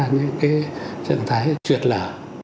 những cái trận thái trượt lở